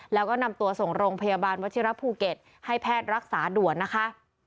แล้วก็นำตัวส่งโรงพยาบาลวัชิระภูเก็ตให้แพทย์รักษาด่วนนะคะ